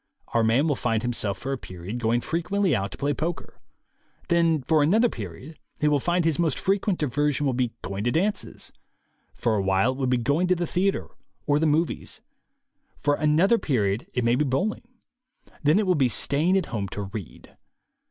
Our man will find himself for a period going frequently out to play poker; then for another period he will find his most frequent diversion will be going to dances; for a while it will be going to the theatre or the "movies"; for another period it may be bowling; then it will be staying at home to read.